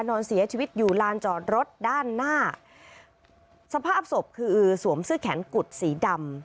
นอนเสียชีวิตอยู่ลานจอดรถด้านหน้าสภาพศพคือสวมเสื้อแขนกุดสีดำ